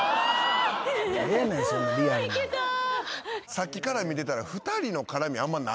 さっきから見てたら。